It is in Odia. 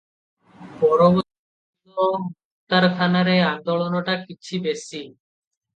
ବରଗଛ ମୂଳ ମୁକ୍ତାରଖାନାରେ ଆନ୍ଦୋଳନଟା କିଛି ବେଶି ।